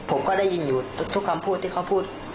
ผมก็ได้ยินอยู่ทุกคำพูดที่เขาพูด